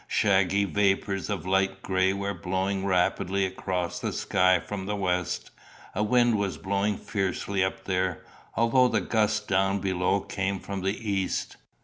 Shaggy vapours of light gray were blowing rapidly across the sky from the west. A wind was blowing fiercely up there, although the gusts down below came from the east.